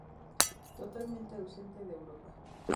Totalmente ausente de Europa.